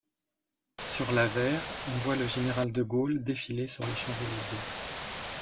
Sur l'avers, on voit le général de Gaulle défiler sur les Champs-Élysées.